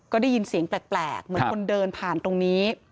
ก็ได้ยินเสียงแปลกเหมือนคนเดินผ่านตรงนี้